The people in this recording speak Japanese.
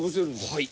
はい。